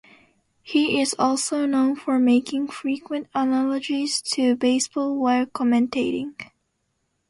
He is also known for making frequent analogies to baseball while commentating.